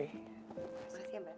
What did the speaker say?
terima kasih mbak